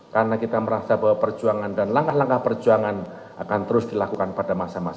karena kita merasa bahwa perjuangan dan langkah langkah perjuangan akan terus dilakukan pada masa masa